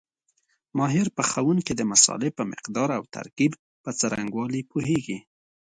ماهر پخوونکي د مسالې په مقدار او ترکیب په څرنګوالي پوهېږي.